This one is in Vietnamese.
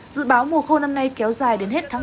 dự báo mùa khô năm nay kéo dài đến hết tháng bốn